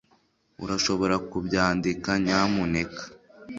urashobora kubyandika, nyamuneka